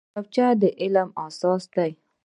کتابچه د علم اساس دی